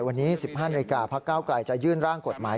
วันนี้๑๕นพกจะยื่นร่างกฎหมาย